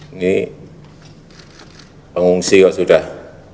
ini pengungsi kok sudah